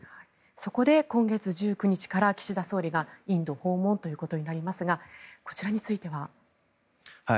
そこで今月１９日から岸田総理がインド訪問ということになりますがこちらについては。